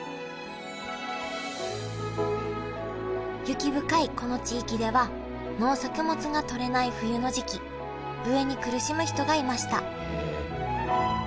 雪深いこの地域では農作物がとれない冬の時期飢えに苦しむ人がいましたえ。